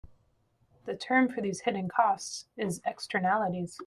The term for these hidden costs is "Externalities".